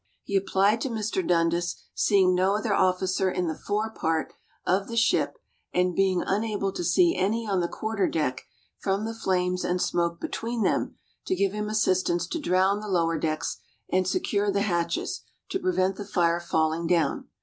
He applied to Mr. Dundas, seeing no other officer in the fore part of the ship (and being unable to see any on the quarter deck, from the flames and smoke between them) to give him assistance to drown the lower decks, and secure the hatches, to prevent the fire falling down.